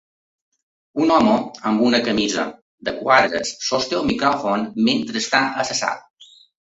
Un home amb una camisa de quadres sosté un micròfon mentre està a la sala.